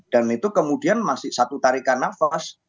dan itu kemudian masih satu tarikan nafas